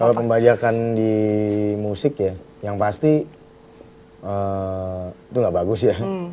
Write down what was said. kalau pembajakan di musik ya yang pasti itu gak bagus ya